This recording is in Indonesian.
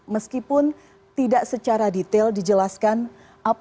meskipun tidak secara detail dijelaskan apa yang kemudian dia masalah